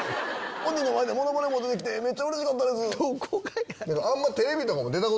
本人の前でものまねもできてめっちゃうれしかったです。